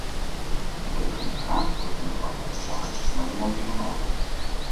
Ik heb geen vraag voor mevrouw de commissaris maar een motie van orde.